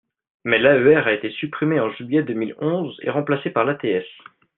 Mais l’AER a été supprimée en juillet deux mille onze et remplacée par l’ATS.